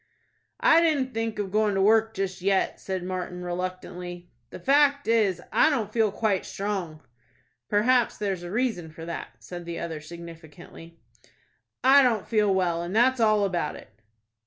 "I didn't think of going to work just yet," said Martin, reluctantly. "The fact is, I don't feel quite strong." "Perhaps there's a reason for that," said the other, significantly. "I don't feel well, and that's all about it."